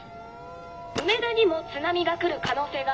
「梅田にも津波が来る可能性があるんですね？」。